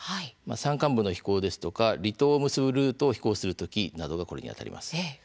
山間部の飛行ですとか離島を結ぶルートを飛行する時などがこれにあたります。